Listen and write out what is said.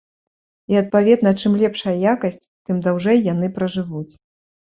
І, адпаведна, чым лепшая якасць, тым даўжэй яны пражывуць.